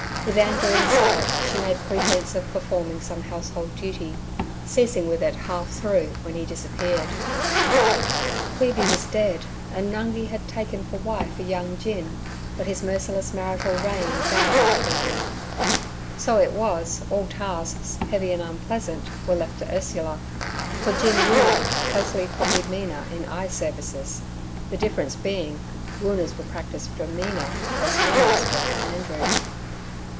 With Andrew in sight, she made pretence of performing some household duty, ceasing with it half through when he disappeared. Queeby was dead, and Nungi had taken for wife a young gin, but his merciless marital reign died with Queeby. So it was all tasks heavy and unpleasant were left to Ursula, for Gin Woona closely copied Mina in eye services, the difference being Woona's were practised for Mina, as Mina's were for Andrew.